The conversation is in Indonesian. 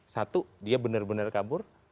satu dia benar benar kabur